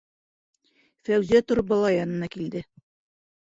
Фәүзиә тороп бала янына килде: